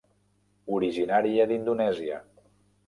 Originària d'Indonèsia.